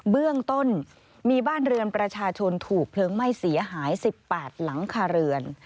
เบื้องต้นมีบ้านเรือนประชาชนถูกเพลิงไหม้เสียหาย๑๘หลังคาเรือน